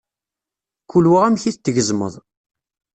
Kul wa amek i t-tgezmeḍ.